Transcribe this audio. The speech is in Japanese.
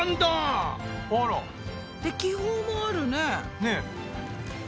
気泡もあるね。